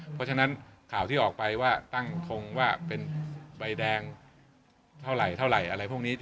เพราะฉะนั้นข่าวที่ออกไปว่าตั้งทงว่าเป็นใบแดงเท่าไหร่อะไรพวกนี้